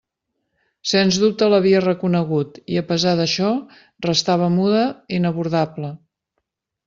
Sens dubte l'havia reconegut, i a pesar d'això, restava muda, inabordable.